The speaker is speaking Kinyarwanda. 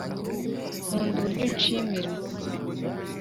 nkunda uburyo unshimira